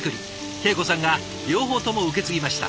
恵子さんが両方とも受け継ぎました。